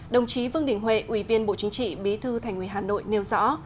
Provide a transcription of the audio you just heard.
đồng chí vương đình huệ ủy viên bộ chính trị bí thư thành ủy hà nội nêu rõ